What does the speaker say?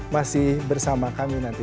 masih bersama kami nanti saat lain